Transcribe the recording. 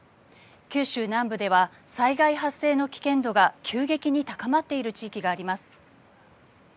九州南部では災害発生の危険度が急激に高まっている地域があります。